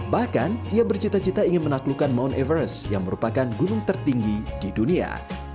bahkan ia bercita cita ingin menaklukkan mount everest yang merupakan gunung tertinggi di dunia